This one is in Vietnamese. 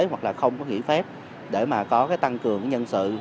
hoặc là không có nghỉ phép để mà có cái tăng cường nhân sự